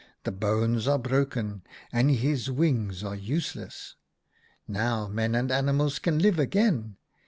The bones are broken, and his wings are useless. Now men and animals can live again.